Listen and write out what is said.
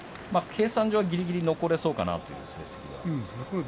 計算上はぎりぎり残れそうかなという成績です。